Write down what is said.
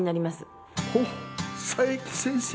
ほっ佐伯先生が？